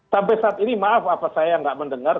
sampai saat ini maaf apa saya nggak mendengar